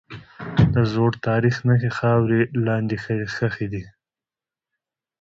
د زوړ تاریخ نښې خاورې لاندې ښخي دي.